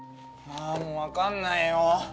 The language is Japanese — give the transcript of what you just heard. もう分かんないよ